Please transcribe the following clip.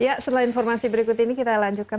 ya setelah informasi berikut ini kita lanjutkan